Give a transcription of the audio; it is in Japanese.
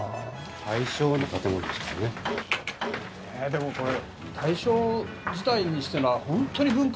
でもこれ。